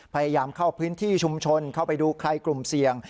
พยายามเข้าพื้นที่ชุมชนเข้าไปดูใครกลุ่มเสี่ยง